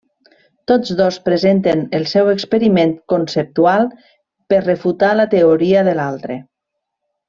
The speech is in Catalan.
Tots dos presenten el seu experiment conceptual per refutar la teoria de l'altre.